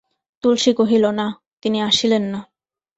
তুলসী কহিল, না, তিনি আসিলেন না।